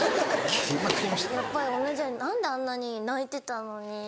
やっぱり同じように何であんなに泣いてたのに。